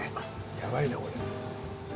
やばいねこれ。